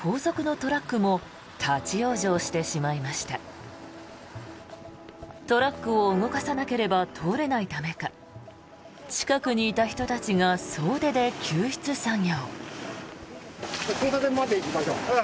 トラックを動かさなければ通れないためか近くにいた人たちが総出で救出作業。